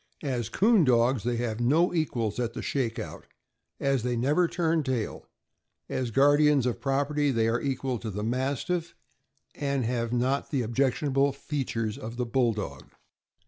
As 'coon dogs, they have no equals at the shake out, as they never turn taiL As guardians of property they are equal to the Mastiff, and have not the objectionable features of the Bulldog.